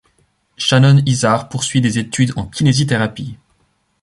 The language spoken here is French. Shannon Izar poursuit des études en kinésithérapie.